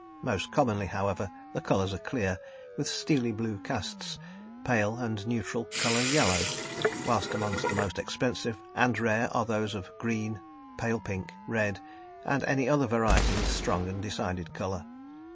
Most commonly, however, the colours are clear, with steely blue casts, pale and neutral colour yellow, whilst amongst the most expensive and rare are those of green, pale pink, red, and any other variety with strong and decided colour.